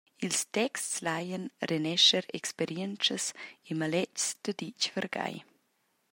Ils texts laian renescher experientschas e maletgs daditg vargai.